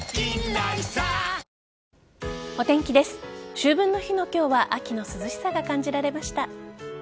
秋分の日の今日は秋の涼しさが感じられました。